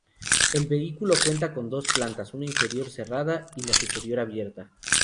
El vehículo cuenta con dos plantas, una inferior cerrada y la superior abierta.